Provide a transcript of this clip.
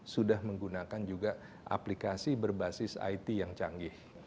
sudah menggunakan juga aplikasi berbasis it yang canggih